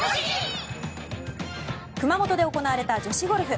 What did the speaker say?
熊本で行われた女子ゴルフ。